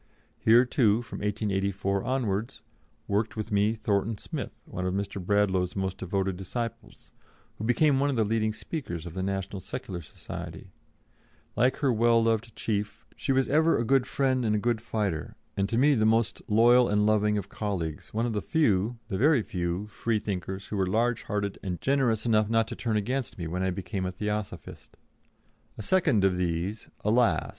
Here, too, from 1884 onwards, worked with me Thornton Smith, one of Mr. Bradlaugh's most devoted disciples, who became one of the leading speakers of the National Secular Society; like her well loved chief, she was ever a good friend and a good fighter, and to me the most loyal and loving of colleagues, one of the few the very few Freethinkers who were large hearted and generous enough not to turn against me when I became a Theosophist. A second of these alas!